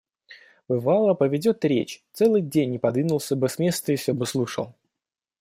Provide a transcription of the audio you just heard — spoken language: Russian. Бывало, поведет речь – целый день не подвинулся бы с места и всё бы слушал.